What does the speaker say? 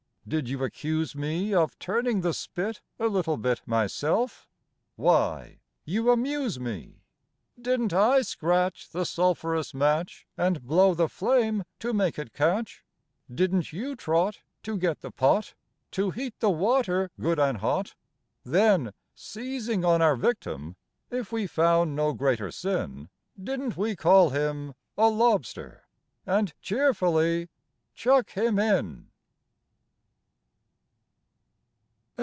Did you accuse me Of turning the spit a little bit myself? Why, you amuse me! Didn't I scratch the sulphurous match And blow the flame to make it catch? Didn't you trot to get the pot To heat the water good and hot? Then, seizing on our victim, if we found no greater sin, Didn't we call him "a lobster," and cheerfully chuck him in?